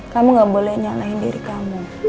kamu gak boleh nyalain diri kamu